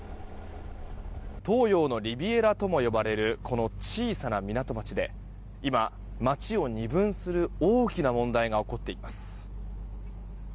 東洋のリビエラともいわれる、この小さな港町で今、町を二分する大きな問題が起こっています。